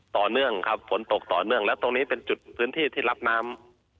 ต่อเนื่องครับฝนตกต่อเนื่องแล้วตรงนี้เป็นจุดพื้นที่ที่รับน้ำ